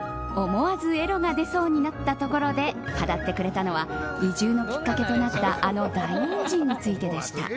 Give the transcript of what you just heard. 思わずエロが出そうになったところで語ってくれたのは移住のきっかけとなったあの大恩人についてでした。